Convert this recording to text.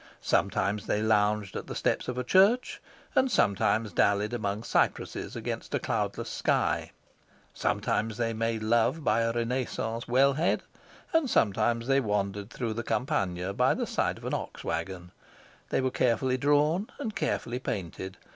Sometimes they lounged at the steps of a church, and sometimes dallied among cypresses against a cloudless sky; sometimes they made love by a Renaissance well head, and sometimes they wandered through the Campagna by the side of an ox waggon. They were carefully drawn and carefully painted.